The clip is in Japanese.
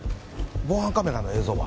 防犯カメラの映像は？